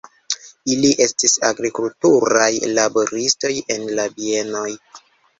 Ili estis agrikulturaj laboristoj en la bienoj.